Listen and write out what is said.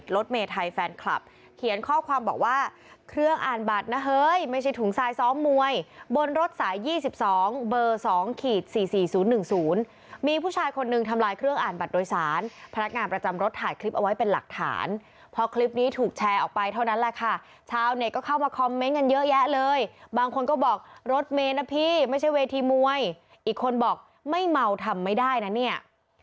รถเมย์ไทยแฟนคลับเขียนข้อความบอกว่าเครื่องอ่านบัตรนะเฮ้ยไม่ใช่ถุงทรายซ้อมมวยบนรถสาย๒๒เบอร์๒๔๔๐๑๐มีผู้ชายคนหนึ่งทำลายเครื่องอ่านบัตรโดยสารพนักงานประจำรถถ่ายคลิปเอาไว้เป็นหลักฐานเพราะคลิปนี้ถูกแชร์ออกไปเท่านั้นแหละค่ะชาวเน็ตก็เข้ามาคอมเมนต์กันเยอะแยะเลยบางคนก็บอกรถเมย